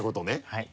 はい。